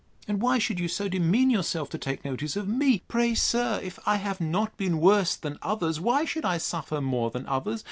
And why should you so demean yourself to take notice of me? Pray, sir, if I have not been worse than others, why should I suffer more than others?